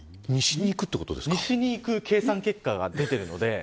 西に行く計算結果が出ています。